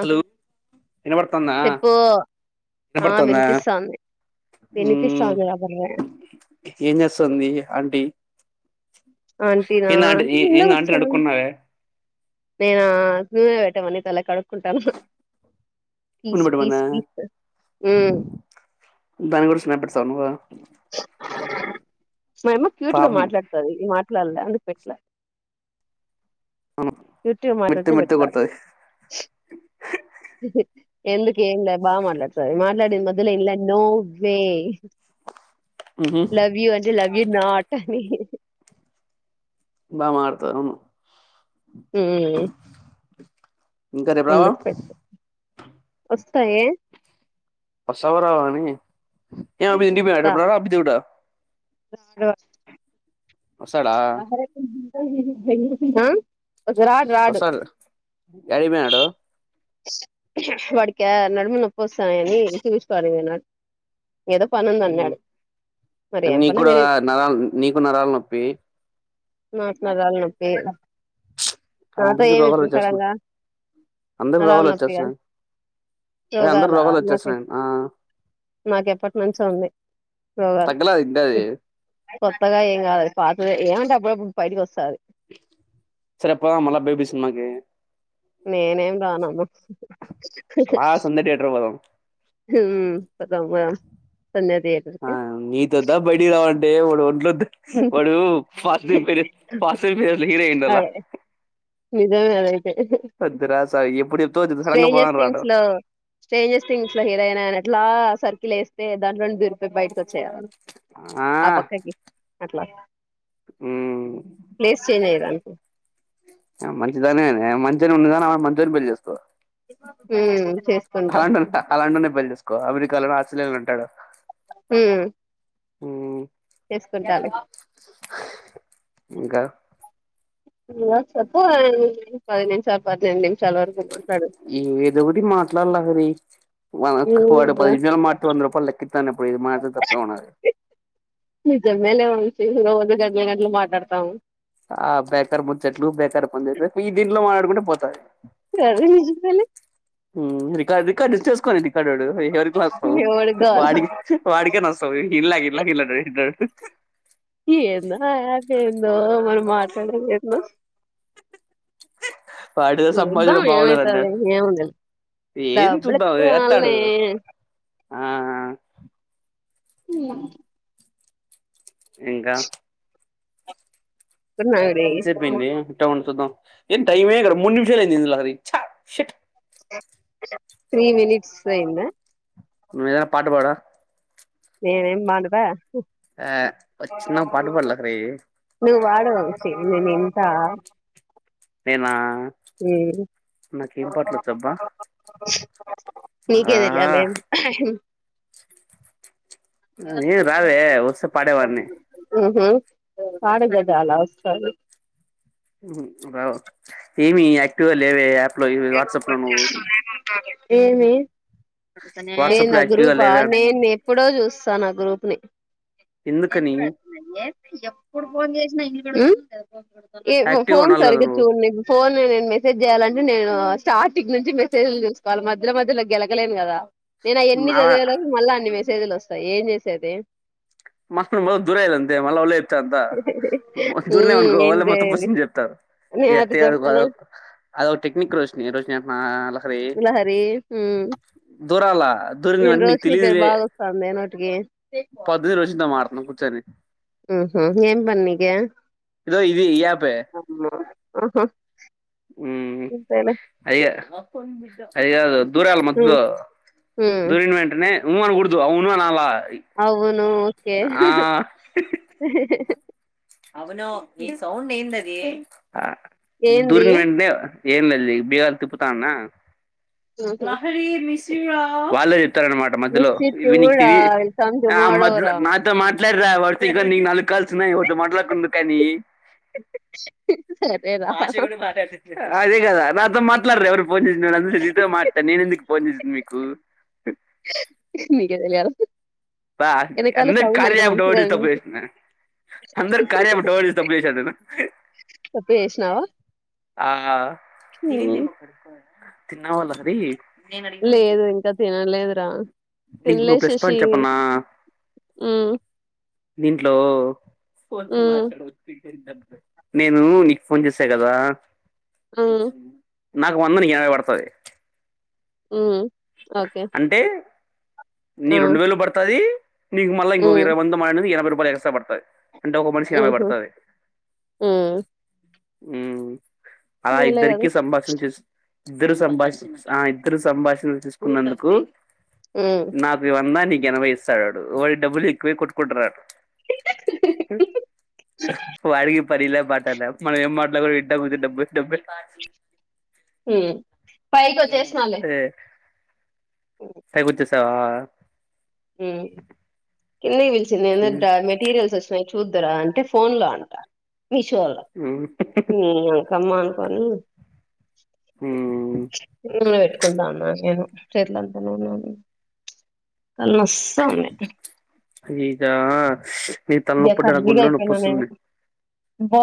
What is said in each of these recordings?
Hello వినపడుతుందా చెప్పు ఆ వినపడుతుందా వినిపిస్తాంది వినిపిస్తాంది కాబర్రే ఏం చేస్తుంది ఆంటీ ఆంటి నా ఏంది ఆంటీ ఆంటి ముందు ఏంది కు ఆంటీని అడుక్కున్నావే నేనా ను్వే వెటమన్న తల కడ టాను పీ ఉనిబెట్టమన్నా పీస్ పస్ దాని గురించి న పెడతావు నువ్వు మాేమ క్యూట్ గా పాపం మాట్లాడుతారు అందు పెట్లే టిూ మాటతే మెత్త మెత్త పెట్టారు కొడతది ఎందుకు ఎంలే బా మట్లా మాట్లా మొదల ఇలా నోవే మ్మ్ లవ్ యు అంటే వ్యూ నాట్ అని బా మతారువును హ ఇంకా రేపు రావా ముందుకు పెట్ వస్తాయ బసావ రావ ఏ అభడ అ దట చడు వస్తాడా ఆర అ వస్తాడు యాడికి పోయినాడు వాడికి నడుమ నొప్పి వస్తాయని చూపించుకోవాలి వినా మరి ఏం నీ పనో కూడా తెలియదు నరాల నీకు నరాల నొప్పి నాక్ నరాల నొప్పి నాతో అందరికి రోగాలు వచ్చేస్తున్నాయి ఏమిప్పుసరంగా అందరికి నరళ్ల రోగాలు నొప్పిగా వచ్చేస్తున్నాయి అదే అందరు రోగాల రోగాలు నాక వచ్చేస్తున్నాయి ఆ నాకెప్పటి నుంచి ఉంది రోగాలు తగ్గలేదు ఇంకా అది కొత్తగా ఏం కాదు పాత ఏమంట అప్పుడప్పుడు బైకి వస్తారు సరే అప్ప మళ్ళ బేబి సినిమాకి నేనేం రానమ్మ అలా సంధ్య థియేటర్ పోదాం మ్ పోదామా న్ ఆ నీత వద్ద బయటికి రావ టె వాడ్ ఒంట్లో వాడు [unintelligible] ఇండల నిజామే అద సార్ ఎప్పుడు చెప్తావో సడన్ గా పోదాం స్ట్రేంజెస్ రా థింగ్స్ అంటావు లో స్ట్రేంజెస్ థింగ్స్ లో హీరోయిన్ లా అట్లా సర్ లేేస్తే దాంట్లో నుంచ్ దుర్గ బ చేయాల ఆ పక్కకి అట్లా ఉమ్ ప్లేస్ చేంజ్ అయ్యదా మంచిదానే మంచిగానే ఉన్నదాని ఆడ మంచిదని పెళ్లి చేసుకోవ ఉమ్ చేసుకుంటా అలంట అలాంటోళనే పెళ్లి చేసుకోవాలా అ [unintelligible] అంటాడు మ్ మ్ చేసుకుంటాలే ఇంకా చెప్పు పది నిముషాలు పది ఏదో ఒకటి మాట్లాడు లహరి [unintelligible] నీదా పది నిమిషాలు మట్లాడి వంద రూపాయలు లెక్కిత్తాను ఏది మాత్రం తప్పేం ఉన్నది. నిజమేలే వంశీ రోజు గంటలు గంటలు మాట్లాడతాం. ఆ [unintelligible] ముచ్చట్లు వత్తయ గది నిజమేలే ఉమ్ రికార్ రికార్డ్ ఏతుక్కోవాలె ఇత్తడడు ఎవరికి నస్తావు ఎవడికి కావాలా వాడికిచ్చి వాడికేనస్తావ్ ఇల్లా ఇల్లాగ ఇల్డు ఇడు ఏన్ దోర సే అ ఎవరు మాట్లాడలేదు వాడితో సంభాషణ చూద్దాం బాగుండదు ఏమైతదిలె అన్నాడు ఏముందిలే ఏది డబ్బులు ఎక్కువ లే ఆఆ ఉ ఇంకా ఎంసేపైంది ఉంటాం చూద్దాం ఏ టైమే కదా మూడు నిమిషాలైంది లహరి ఛ త్రీ మినిట్స్ పోయిందా నువ్వు ఏదైనా పాట పాడవా నేనేం మాట ఆ చిన్న పాటు పాడు లహరి కా నేన్ ఆ ఉం వచ్చబ్బా ఆ నీకేదెలియాలి ఏన్ ఏ రావే వస్తే పాడేవాడ్ని ఉహు పాడు గజాల వస్తాది ఉ రావు ఏమి యాక్టివ్గా లేవే ఇ వాట్సాప్ లో నువ్వు నాకు S B I V WhatsApp లో నేనా యాక్టివ్గా గ్రూప్ ఆ లేవే నేను ఎప్పుడో చూస్తాను గ్రూప్ని నేను ఎందుకని గుడ అట్నే ఎప్పుడు ఫోన్ చేసినా ఇ ఉ ఏ యాక్టివ్గా ఫోన్ ఉండాలి కదా సరిగ్గా నువ్వు చూడు నీ ఫోన్ నేనె మె లిప్ట్ జేయాలంటే నేను ఆ స్టార్టింగ్ నుంచి మెసేజ్లు చూసుకోవాలి మధ్యలో మధ్యలో గెలకలేను కదా నేను అయన్ని అలా చదివేలోపు మళ్ళ అన్ని వేస్ చెదులు వస్తాయ్ ఏం జేసేది మస్త్ మం దూరేయాల అంతే మళ్ళ ఓళ్లే కద్దా దూరినామనుకో వాళ్ళే మొత్తం బస్మం జేత్తారు నే అది జెప్పలే అద ఒక టెక్నిక్ రోషిని రోషిని నాల విలహరి హ్మ్ దూరాల్ల యేం రోషిని పేరు బాగా వస్తాందె నో టిగి పొద్దిని రోషిన్తో మాడుతున్నం కూచ్చోని ఉహు ఏం పని నీకే ఇదో ఇది ఈ యాపే మ్మ్ హ్మ్ మ్మ్ అయ్య అయిగాదు దూరాల ఉమ్ మద్దిలో ఉమ్ దూరిన వెంటనే ఉమ్ అనకూడదు అవును అనాలా అవును ఒకే అవును ఈ సౌండ్ ఏందం డి ఆ ఏంది దూరిన్ వెంట్నే ఏం లేదులే బీగాలు తిప్పుతానున్నా ఉహు లహరి మిస్ వాళ్ళే జెప్ స్తారనమాట మధ్యలో మిస్సిట్ యు ని నీక్ కూడా తెలీద్ విల్ కమ్ ఆ టుమారో మద్ద్ రా నాతో మాట్లాడు లే వర్తీగా నీ నాలుగు కాల్స్ వున్నాయ్ దే మట్లాడుకుంది కాని సరేరా ఆశే కూడా మాటాడుతుంటే అదే కదా నాతో మాట్లాడ్రు ఎవరు పోన్ జేసినపుడంతా నే నీతో మాట్లాడుత నేను ఎందుకు పోన్ జేసి మీకు నీకే తెలియాలా పా వెనకాల అందరికి సౌండ్ అంత కార్య యాప్ డౌనోడ్ మంచిగా జేసి తప్పు వినిపి జేసినా అందరికి కార్య అప్ డౌన్లోడ్ తప్పుజేస నేను తప్పు చేసినావా ఆ ఉమ్ తిన్నావా లహరీ లేదు ఇంకా తినలేదురా తినలే శశి అన దీంట్లో ఉమ్ నేను నీకు ఫోన్ చేసా కదా ఉమ్ స నాకు వంద నీ ఎనభై బడుతది ఉం ఓకే నీ ఆ రెండు వేలు పడుతాది నీకు మళ్ళ ఇంకో ఉమ్ ఇరవై మాటాన యనబై రూ ఎక్స పడతాయి ఆహ ఉం ఉం అలా ఇద్దరికీ సంభాషణ చేసి ఇద్దరు సంభాష ఆ ఇద్దరు సంభాషణలు తీసుకున్నందుకు హ్మ్ నాపి వంద [unintelligible] [unintelligible] పనిలే పాటాలే మనం ఏం మాట్లాడినా కూచుంం డబ్బులు డబ్బులు పైకి ఒచ్చేస్న లే పైకి వచ్చేసేయ్ సావా ఉమ్ కిందిబిల్స్ నిన్న ఉమ్, డ మెటీరియల్స్ ఒచ్చినయ్ చూద్దురా అంటే ఫోన్ లో అంట మిషోలో ఉమ్, నీ యంకమ్మా అనుకోని ఉమ్. నూన పెట్టుకుంటాన్నా నేను చేట్లంతానేనే ఉన్నాయి ప్చ్ తలనొస్ తాంది ఈగా స్ నీ తలనొప్పి ఉంటే నాకు కర్రీగా గుండెలో అయిపోయినా నేను. నొప్పిస్తుంది అబ్బా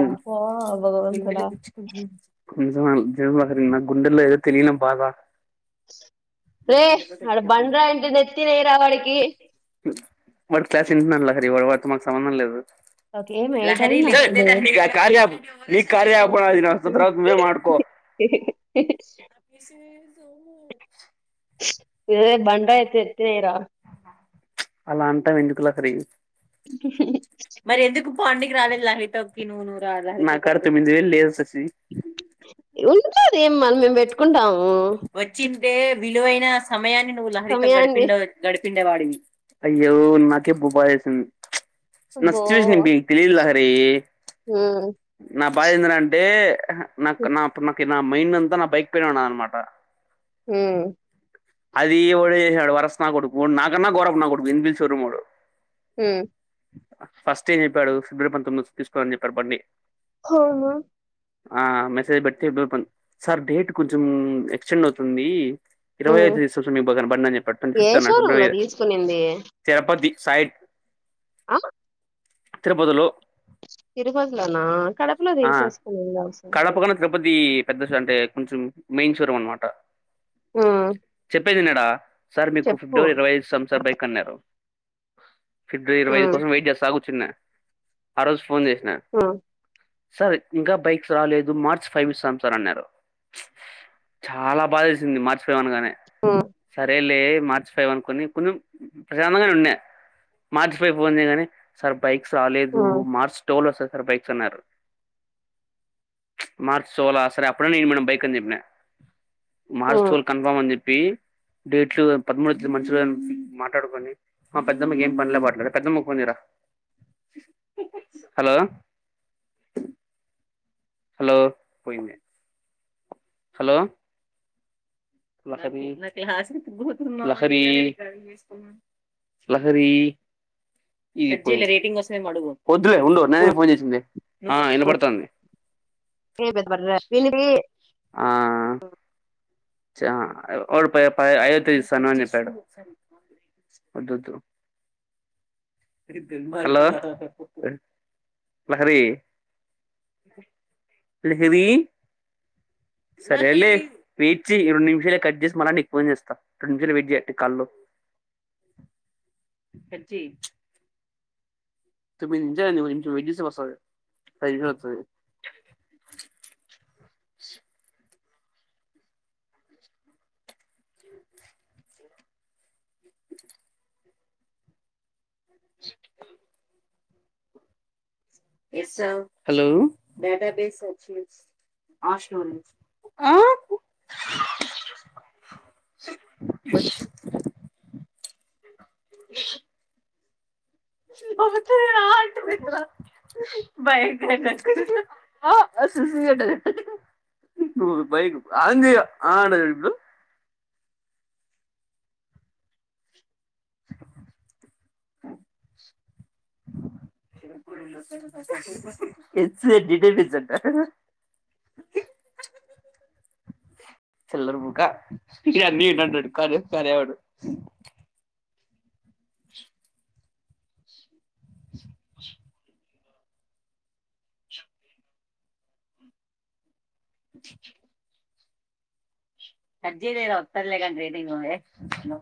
అబ్బా భగవంతుడా నిజమే చెప్పాలంటే [inaudible] నా గుండెలో ఏదో తెలీయని బాద రే ఆడ బండరాయి ఉంటే నెత్తిన ఎయిరా వాడికి వాడు క్లాస్ వింటున్నాడు లహరి వాడి వాడితో మాకు సంబంధం లేదు ఓకే ఏమి లహరి ఏటయింది లే చే అప్పుడే? ఇది కార్య యాప్ ఇది కార్య యాప్ నర్సత్మ మే ఆడుకో ఛ్ ఏదైనా బండరాయి ఎత్తి ఎత్తినైర అలా అంటావు ఎందుకు లహరి హ్ హ్ పాండికి రాలేదు లహరి తోటికి ను నువ్వు రాల నా కాడ తొమ్మిది వేలు లేవు శషి ఉన్నాది ఏం మాది మేము పెట్టుకుంటాం వచ్చిన్ ంటే విలువైన సమయాన్ని ను నువ్వు లహరితో సమయాన్ని గడిపిండవ్ గడిపి గడిపిండే వాడివి అయ్యో నాకే బుబా దయితుంది నా అబ్బో సిచ్యువేషన్ మీకు తెలీదు లహరి హ్మ్ నా బాధ ఎందర అంటే నాక్ నా నాపున నా మైండ్ అంత నా బైక్ పైనే ఉన్నదనమాట హ్మ్ అది ఒకడు ఏమ్ సినాడు వరష్టు నా క [unintelligible] హు ఫస్ట్ ఏం చెప్పాడు ఫిబ్రరి పంతొమ్మిది తీసుకో అని చెప్పాడు బండి హ ఆ మెసేజ్ పెడితే ఫిబ్ పం సార్ డేట్ కొంచెం ఎక్స్టెండ్ అవుతుంది ఇరవై హ్మ్ ఐదు దస మీకు బాగన బం అ చెప్పాడు ట్వంట ఏ ఫిఫ్త్ అ షోరూమ్ లో ఫిబ్రవరి తీసుకునింది తిరుపతి [unintelligible] సాయిబ్ ఆ తిరుపతిలో తిరుపతి లోన కడపలో తీసేసుకొని ఉండాల్సింది పతి పెద్ద అంటే కొంచెం మెయిన్ షోరూం అనమాట హ్మ్ చెప్పేదినడ సార్ మీకు చెప్పు ఫిబ్రవరి ఇరవై ఐదు ఇస్తాం సార్ బైక్ అన్నారు ఓ ఫిబ్రవరి ఇరవై ఐదు హ్మ్ కోసం వెయిట్ చేస్తా కు ర్చున్న ఆ రోజు ఫోన్ చేస్ ఆ సార్ ఇంకా బైక్స్ రాలేదు మార్చి ఫైవ్ ఇస్తాం సార్ అన్నారు చాలా బాధ వేసింది మార్చి ఫైవ్ అనగానే హ్మ్ సరేలే మార్చి ఫైవ్ అనుకుని కొంచెం ప్రశాంతంగానే ఉన్న మార్చి ఫైవ్ ఫోన్ చేయగానే సార్ బైక్స్ రాలేదు హ్మ్ మార్స్ టోల్ సార్ సార్ బైక్స్ అన్నారు మార్చ్ టువల్ సరే అప్పుడు అన్న ఇయ్యండి మేడమ్ బైక్ అనీ చెప్పిన మార్చ్ హ్మ్ టువల్ కన్ఫర్మ్ అని చెప్పి డేట్లు పదమూడు మంచి మాట్లాడుకొని మా పెద్దమ్మకి ఏం పనిలే పాట్లా పెద్దమ్మ కి ఫోన్ చెయ్ రా హలో హలో పోయింది హలో లహరి లహరి లహరి [unintelligible] వద్దులే ఉండు నేనే హ్మ్ ఫోన్ చేసింది ఆ వినబడతాంది ఏ పెద్ద బర్రె దీనికి ఆ చ వాడు ప ప ఐదవ తేదీ ఇస్తాను అని చెప్పాడు వద్దొద్దు హలో లహరి లహరి సరేలే వేచి రెండు నిమిషాల ఏ కట్ చేసి మళ్ళ నీకు ఫోన్చేస్తా రెండు నిమిషాలు వెయిట్ చెయ్ కాల్ లో తొమ్మిది నిమిషాలు అయింది ఒక నిమిషం వెయిట్ చేస్తే వస్తది [unintelligible] [unintelligible] [unintelligible] చుంచు టిక్ హలో [unintelligible] [inaudible] [unintelligible] [inaudible] [unintelligible] [unintelligible] స ఐకి [unintelligible] [unintelligible]